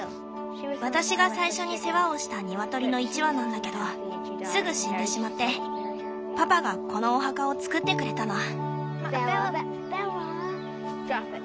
私が最初に世話をしたニワトリの１羽なんだけどすぐ死んでしまってパパがこのお墓を作ってくれたの。